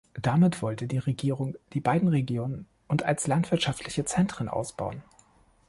Damit wollte die Regierung die beiden Regionen und als landwirtschaftliche Zentren ausbauen.